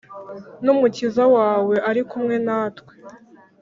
numukiza wawe ari kumwe natwe